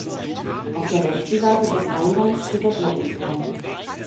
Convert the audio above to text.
Auf der rechten Seite des Eingangs steht der Glockenturm.